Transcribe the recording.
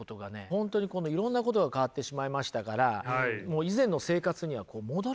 本当にいろんなことが変わってしまいましたからもう以前の生活には戻れない。